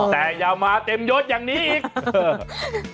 แต่อย่ามาเต็มยศอย่างนี้อีก